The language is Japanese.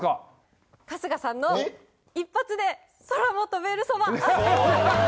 春日さんの一発で空も飛べるそば。